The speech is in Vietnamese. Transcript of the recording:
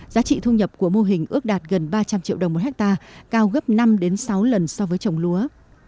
giá trị thu nhập của mô hình ước đạt gần ba trăm linh triệu đồng một hectare cao gấp năm sáu lần so với trồng lúa